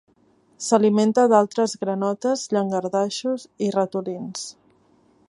S'alimenta d'altres granotes, llangardaixos, i ratolins.